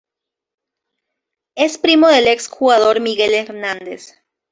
Es primo del ex jugador, Miguel Hernández.